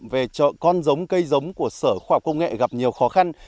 về con giống cây giống của sở khoa học công nghệ gặp nhiều khó khăn